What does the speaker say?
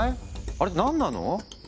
あれって何なの？